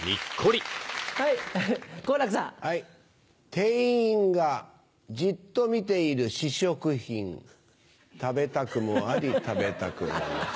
店員がじっと見ている試食品食べたくもあり食べたくもなし。